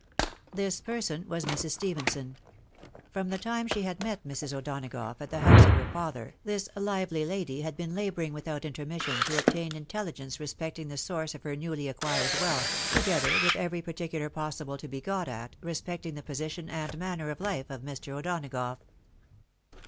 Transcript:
This person was Mrs. Stephenson. From the time she had met Mrs. O'Donagough at the house of her father, this lively lady had been labouring without intermission to obtain intelligence respecting the source of her newly acquired wealth, together with every particular possible to be got at, respecting the position and manner of life of Mr. O'Donagough.